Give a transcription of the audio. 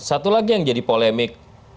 satu lagi yang jadi polemik